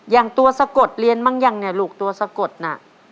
อย่างตัวสะกดเรียนบ้างยังเนี่ยลูกตัวสะกดน่ะ